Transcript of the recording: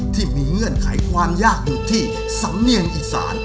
เงื่อนไขความยากอยู่ที่สำเนียงอีสาน